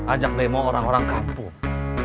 ajak demo orang orang kampung